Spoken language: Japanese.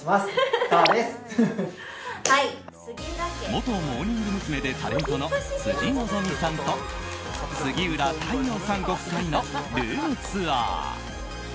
元モーニング娘。でタレントの辻希美さんと杉浦太陽さんご夫妻のルームツアー。